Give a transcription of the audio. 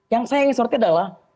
yang saya ingin sortit adalah